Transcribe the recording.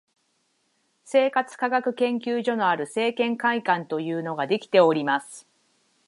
生活科学研究所のある生研会館というのができております